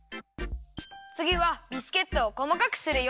つぎはビスケットをこまかくするよ。